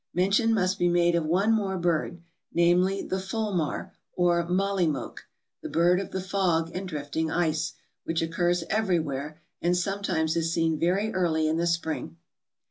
Mention must be made of one more bird, namely, the fulmar, or mollymoke, the bird of the fog and drifting ice, which occurs everywhere, and sometimes is seen very early in the spring.